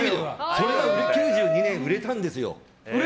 それが９２年に売れたんですよ。